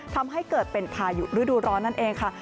ทำให้เกิดเป็นพายุฤดูร้อนนั่นเองค่ะ